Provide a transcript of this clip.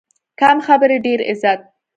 کم خبرې، ډېر عزت.